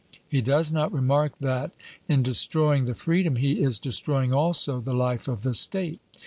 He does not remark that, in destroying the freedom he is destroying also the life of the State.